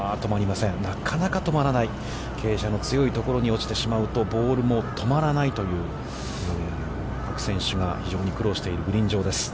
なかなか止まらない、傾斜の強いところに落ちてしまうとボールも止まらないという、各選手が非常に苦労しているグリーン上です。